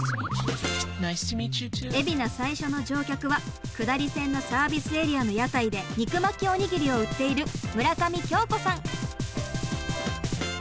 海老名最初の乗客は下り線のサービスエリアの屋台で肉巻きおにぎりを売っている村上京子さん。